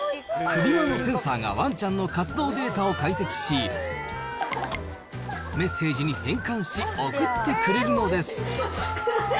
首輪のセンサーがワンちゃんの活動データを解析し、メッセージに変換し、送ってくれるのです。